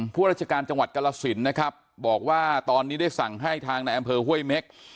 ราชการจังหวัดกรสินนะครับบอกว่าตอนนี้ได้สั่งให้ทางในอำเภอห้วยเม็ก